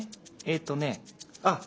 えっとねあっ